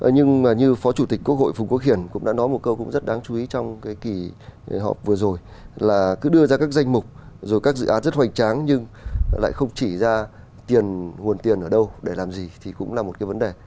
nhưng mà như phó chủ tịch quốc hội phùng quốc hiển cũng đã nói một câu cũng rất đáng chú ý trong cái kỳ họp vừa rồi là cứ đưa ra các danh mục rồi các dự án rất hoành tráng nhưng lại không chỉ ra tiền nguồn tiền ở đâu để làm gì thì cũng là một cái vấn đề